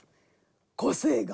個性が！